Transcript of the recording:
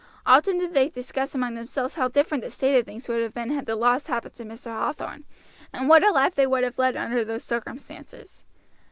Often did they discuss among themselves how different the state of things would have been had the loss happened to Mr. Hathorn, and what a life they would have led under those circumstances.